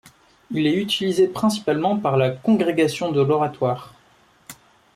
Il est utilisé principalement par la Congrégation de l'Oratoire.